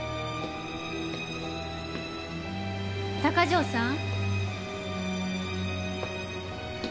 鷹城さん？